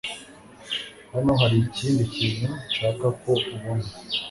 Hano hari ikindi kintu nshaka ko ubona .